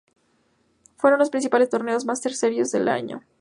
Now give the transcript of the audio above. Fueron los primeros torneos Masters Series del año.